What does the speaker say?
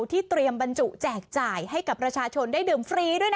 ที่เตรียมบรรจุแจกจ่ายให้กับประชาชนได้ดื่มฟรีด้วยนะ